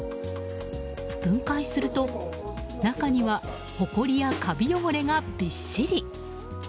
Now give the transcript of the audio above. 分解すると中にはほこりやカビ汚れがびっしり。